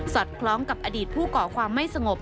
คล้องกับอดีตผู้ก่อความไม่สงบ